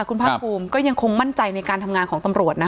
คุณภาคภูมิก็ยังคงมั่นใจในการทำงานของตำรวจนะคะ